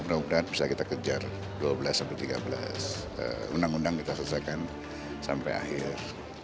mudah mudahan bisa kita kejar dua belas sampai tiga belas undang undang kita selesaikan sampai akhir